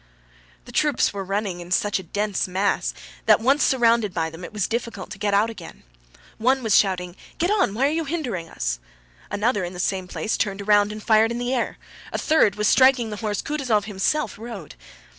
The troops were running in such a dense mass that once surrounded by them it was difficult to get out again. One was shouting, "Get on! Why are you hindering us?" Another in the same place turned round and fired in the air; a third was striking the horse Kutúzov himself rode.